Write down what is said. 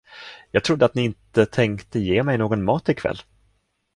Jag trodde, att ni inte tänkte ge mig någon mat i kväll.